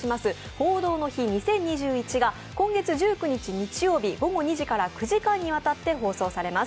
「報道の日２０２１」が今月１９日日曜日午後２時から９時間にわたって放送されます。